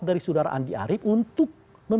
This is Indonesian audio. dari saudara andi arief untuk